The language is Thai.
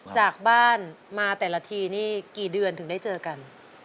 จากบ้านมาแต่ละทีนี่กี่เดือนถึงได้เจอกัน